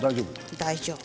大丈夫？